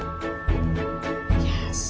よし。